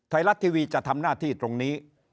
ไทยรัฐทีวีจะทำหน้าที่ตรงนี้